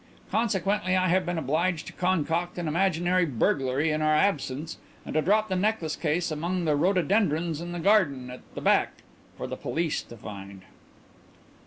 Consequently I have been obliged to concoct an imaginary burglary in our absence and to drop the necklace case among the rhododendrons in the garden at the back, for the police to find."